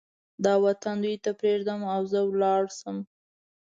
دا وطن دوی ته پرېږدم او زه ولاړ شم.